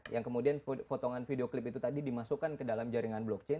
yang kemudian potongan video klip itu tadi dimasukkan ke dalam jaringan blockchain